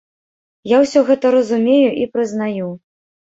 Я ўсё гэта разумею і прызнаю.